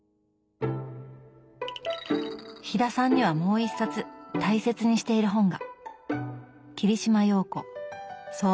飛田さんにはもう一冊大切にしている本が。